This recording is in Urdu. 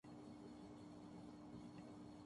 ہم اللہ کا جتنا بھی شکر ادا کریں وہ کم ہے